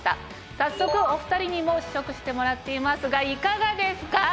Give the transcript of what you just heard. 早速お２人にも試食してもらっていますがいかがですか？